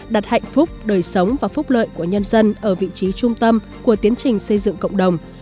đặt hạnh phúc đời sống và phúc lợi của nhân dân ở vị trí trung tâm của tiến trình xây dựng cộng đồng